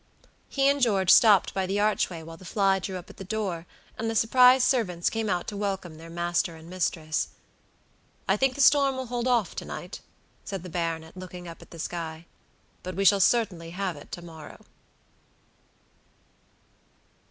He and George stopped by the archway while the fly drew up at the door, and the surprised servants came out to welcome their master and mistress. "I think the storm will hold off to night," said the baronet looking up at the sky; "but we shall certainly have it tomorrow."